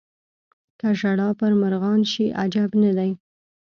که ژړا پر مرغان شي عجب نه دی.